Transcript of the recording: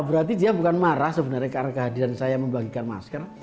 berarti dia bukan marah sebenarnya karena kehadiran saya membagikan masker